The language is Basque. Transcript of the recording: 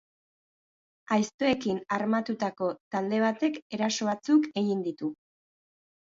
Aiztoekin armatutako talde batek eraso batzuk egin ditu.